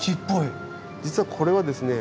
実はこれはですね